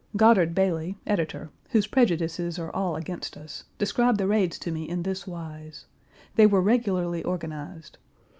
Godard Bailey, editor, whose prejudices are all against us, described the raids to me in this wise: They were regularly organized.